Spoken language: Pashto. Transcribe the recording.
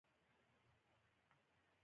په پکتیا کې د تیږې اچول دود دی.